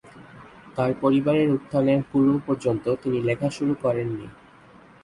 তার পরিবারের উত্থানের পূর্ব-পর্যন্ত তিনি লেখা শুরু করেননি।